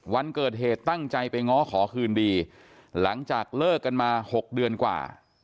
วันเกิดเหตุตั้งใจไปง้อขอคืนดีหลังจากเลิกกันมา๖เดือนกว่า